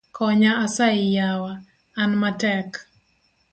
Konya asayi yawa, an matek.